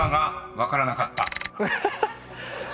分からなかったっすね。